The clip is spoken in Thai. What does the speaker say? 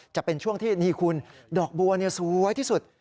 จะเป็นช่วงที่นี่คุณดอกบัวสวยที่สุด